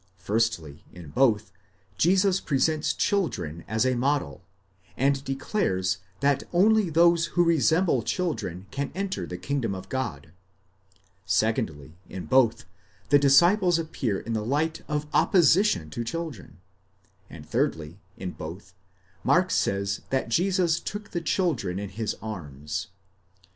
Firstly, in both, Jesus presents children as a model, and declares that only those who resemble children can enter the kingdom of God; secondly, in both, the disciples appear in the light of opposition to children; and, thirdly, in both, Mark says, that Jesus took the children in his arms (ἐναγκαλισάμενος).